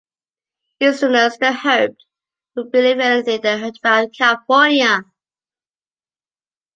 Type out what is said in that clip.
Easterners, they hoped, would believe anything they heard about California.